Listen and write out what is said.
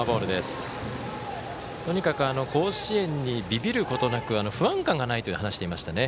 とにかく甲子園にビビることなく不安感がないと話していましたね。